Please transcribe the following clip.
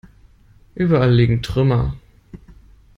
Überall liegen Trümmer.